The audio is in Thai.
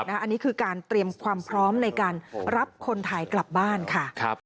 อันนี้คือการเตรียมความพร้อมในการรับคนไทยกลับบ้านค่ะ